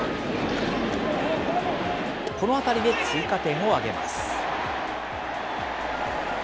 この当たりで追加点を挙げます。